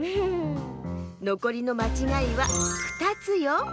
のこりのまちがいは２つよ！